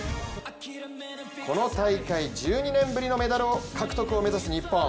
この大会、１２年ぶりのメダル獲得を目指す日本。